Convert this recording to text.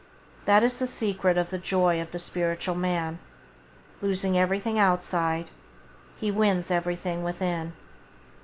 That is the secret of the joy of the spiritual man. Losing everything outside, he wins everything within.